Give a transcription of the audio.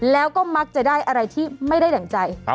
แล้วก็มักจะได้อะไรที่ไม่ได้ดั่งใจ